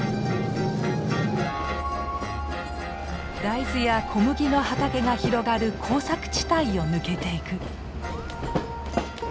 大豆や小麦の畑が広がる耕作地帯を抜けていく。